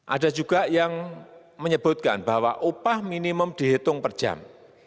ada juga yang menyebutkan bahwa upah minimum dihitung per jam